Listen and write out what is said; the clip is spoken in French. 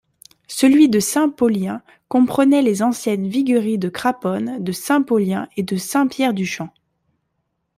Celui de Saint-Paulien comprenait les anciennes vigueries de Craponne, de Saint-Paulien et de Saint-Pierre-du-Champ.